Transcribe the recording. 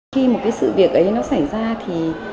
khi một cái sự việc ấy nó xảy ra thì